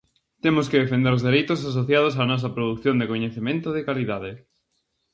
Temos que defender os dereitos asociados á nosa produción de coñecemento de calidade.